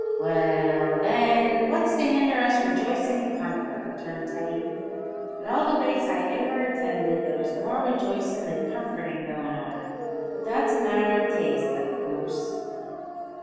"Well, then, what's to hinder us rejoicin' in comfort?" returned Teddy. "At all the wakes I ivver attinded there was more rejoicin' than comfortin' goin' on; but that's a matter of taste, av coorse."